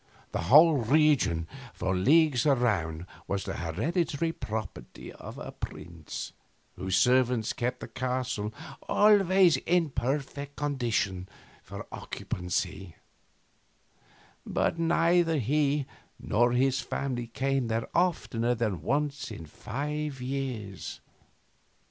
The whole region for leagues around was the hereditary property of a prince, whose servants kept the castle always in perfect condition for occupancy, but neither he nor his family came there oftener than once in five years.